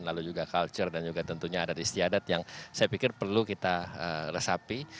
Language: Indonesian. lalu juga culture dan juga tentunya adat istiadat yang saya pikir perlu kita resapi